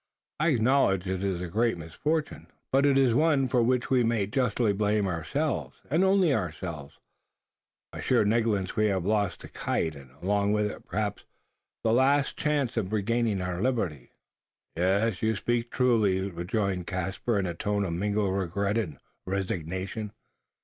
I acknowledge it is a great misfortune; but it is one for which we may justly blame ourselves, and only ourselves. By sheer negligence we have lost the kite, and along with it, perhaps, the last chance of regaining our liberty." "Yes, you speak truly," rejoined Caspar, in a tone of mingled regret and resignation.